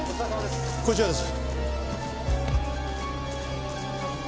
こちらです。